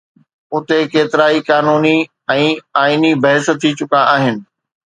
اتي ڪيترائي قانوني ۽ آئيني بحث ٿي چڪا آهن.